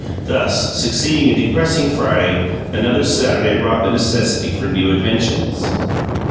Thus, succeeding a depressing Friday, another Saturday brought the necessity for new inventions.